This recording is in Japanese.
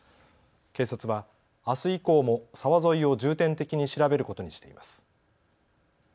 警察はあす以降も沢沿いを重点的に調べることにしています。